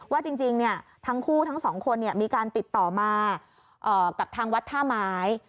ว่าจริงทั้งคู่ทั้งสองคนมีการติดต่อมากับทางวัดท่าไม้